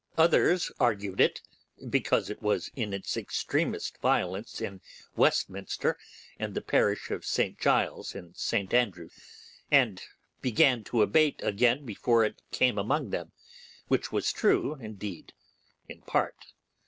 Others argued it, because it was in its extreamest violence in Westminster and the parish of St Giles and St Andrew, &c., and began to abate again before it came among them—which was true indeed, in part.